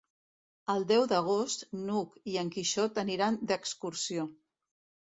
El deu d'agost n'Hug i en Quixot aniran d'excursió.